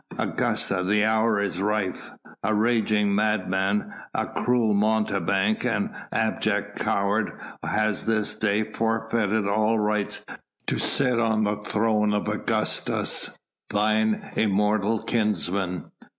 Augusta, the hour is rife! a raging madman, a cruel mountebank and abject coward has this day forfeited all rights to sit on the throne of Augustus, thine immortal kinsman.